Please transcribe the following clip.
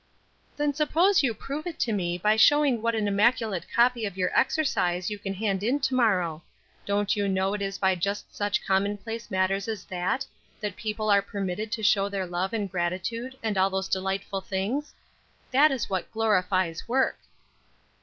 "Then suppose you prove it to me, by showing what an immaculate copy of your exercise you can hand in to morrow. Don't you know it is by just such common place matters as that, that people are permitted to show their love and gratitude and all those delightful things? That is what glorifies work."